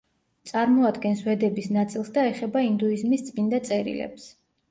წარმოადგენს ვედების ნაწილს და ეხება ინდუიზმის წმინდა წერილებს.